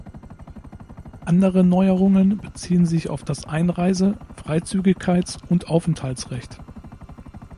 Andere Neuerungen beziehen sich auf das Einreise-, Freizügigkeits- und Aufenthaltsrecht.